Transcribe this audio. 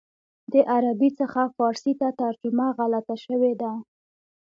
د عربي څخه فارسي ترجمه غلطه شوې ده.